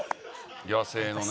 野生のね。